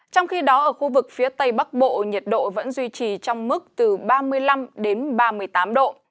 trong khi đó ở khu vực phía tây bắc bộ nhiệt độ vẫn duy trì trong mức từ ba mươi năm đến ba mươi tám độ